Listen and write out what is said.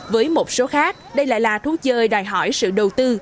với một số khác đây lại là thuốc chơi đòi hỏi sự đầu tư